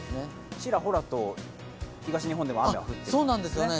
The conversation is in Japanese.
ちらほらと東日本でも雨が降っていますよね。